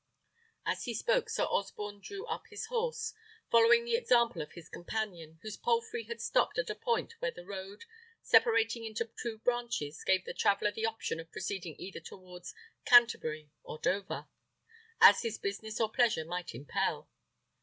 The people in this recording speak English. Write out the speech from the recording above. As he spoke, Sir Osborne drew up his horse, following the example of his companion, whose palfrey had stopped at a point where the road, separating into two branches, gave the traveller the option of proceeding either towards Canterbury or Dover, as his business or pleasure might impel.